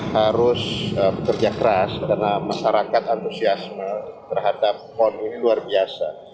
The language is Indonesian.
harus bekerja keras karena masyarakat antusiasme terhadap pon ini luar biasa